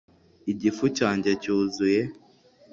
igifu cyanjye cyuzuye